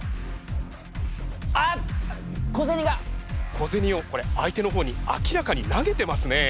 小銭をこれ相手の方に明らかに投げてますね。